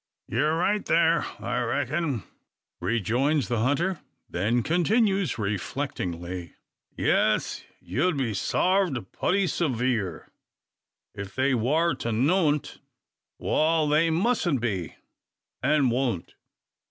"Yur right thar, I reck'n," rejoins the hunter; then continues, reflectingly, "Yes; you'd be sarved putty saveer, if they war to know on't. Wal, that mustn't be, and won't.